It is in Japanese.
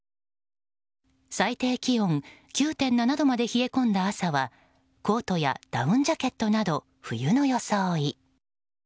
最低気温９．７度まで冷え込んだ朝はコートやダウンジャケットなど冬の装い。